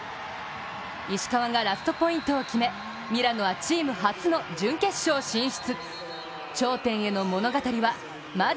石川がラストポイントを決めミラノはチーム初の準決勝進出。